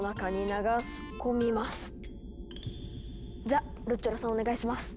じゃルッチョラさんお願いします。